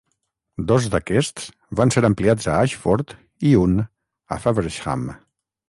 Dos d'aquests van ser ampliats a Ashford i un a Faversham.